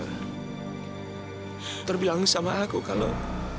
dokter bilang sama aku kalau